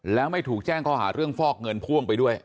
แล้วไม่ถูกแจ้งข้อหาเรื่องฟอกเงินพ่วงไปด้วย